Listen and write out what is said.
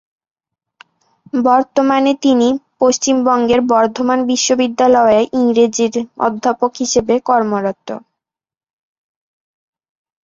বর্তমানে তিনি পশ্চিমবঙ্গের বর্ধমান বিশ্ববিদ্যালয়ে ইংরেজির অধ্যাপক হিসেবে কর্মরত।